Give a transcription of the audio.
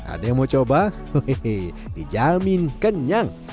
ada yang mau coba dijamin kenyang